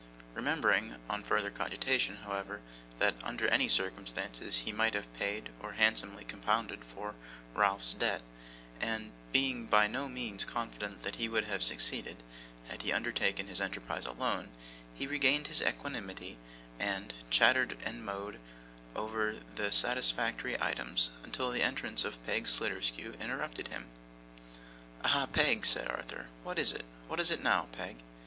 Remembering on further cogitation, however, that under any circumstances he must have paid, or handsomely compounded for, Ralph's debt, and being by no means confident that he would have succeeded had he undertaken his enterprise alone, he regained his equanimity, and chattered and mowed over more satisfactory items, until the entrance of Peg Sliderskew interrupted him. 'Aha, Peg!' said Arthur, 'what is it? What is it now, Peg?